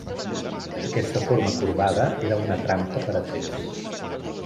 Aquesta forma corbada era una trampa per a trets.